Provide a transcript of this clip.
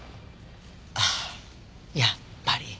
あっやっぱり。